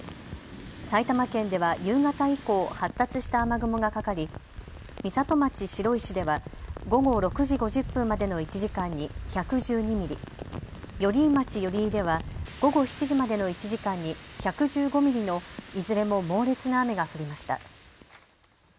埼玉県では夕方以降、発達した雨雲がかかり美里町白石では午後６時５０分までの１時間に１１２ミリ、寄居町寄居では午後７時までの１時間に１１５ミリのいずれも猛烈な雨が降りました。